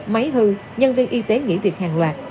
máy hư nhân viên y tế nghỉ việc hàng loạt